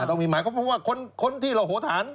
ต้องมีหมายความว่าคนที่ระโหฐาน